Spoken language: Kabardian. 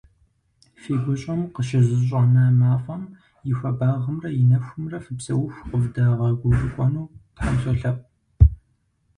Фи гущӏэм къыщызэщӏэна мафӏэм и хуабагъэмрэ и нэхумрэ фыпсэуху къывдэгъуэгурыкӏуэну Тхьэм солъэӏу!